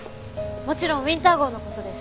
もちろんウィンター号の事です。